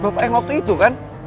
bapak yang waktu itu kan